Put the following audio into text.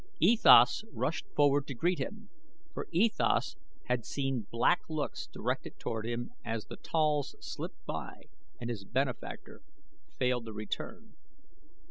E Thas rushed forward to greet him, for E Thas had seen black looks directed toward him as the tals slipped by and his benefactor failed to return.